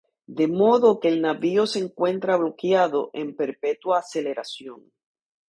De modo que el navío se encuentra bloqueado en perpetua aceleración.